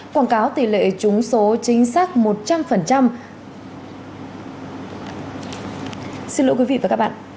quảng cáo tỷ lệ chúng số chính xác một trăm linh